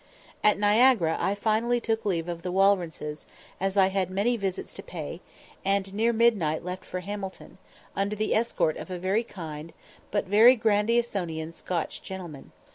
At Niagara I finally took leave of the Walrences, as I had many visits to pay, and near midnight left for Hamilton, under the escort of a very kind, but very Grandisonian Scotch gentleman.